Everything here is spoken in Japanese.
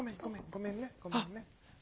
ごめんねごめんね。